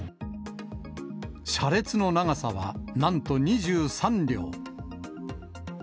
車列の長さは、なんと２３両。